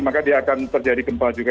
maka dia akan terjadi gempa juga